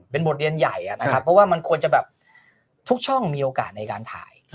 เป็นบทเรียนใหญ่นะครับเพราะว่ามันควรจะแบบทุกช่องมีโอกาสในการถ่าย